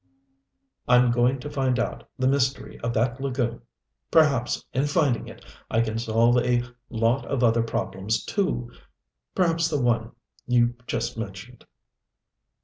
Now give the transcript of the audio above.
I'm going to find out the mystery of that lagoon! Perhaps, in finding it, I can solve a lot of other problems too perhaps the one you just mentioned.